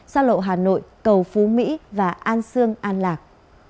xa lộ hà nội cầu phú mỹ và an sương an lạc